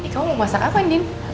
kamu mau masak apa andin